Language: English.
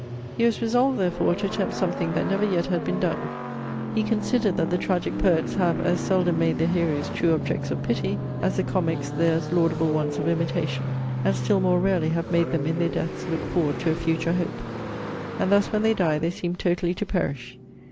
He was resolved, therefore, to attempt something that never yet had been done. He considered that the tragic poets have as seldom made their heroes true objects of pity, as the comics theirs laudable ones of imitation: and still more rarely have made them in their deaths look forward to a future hope. And thus, when they die, they seem totally to perish.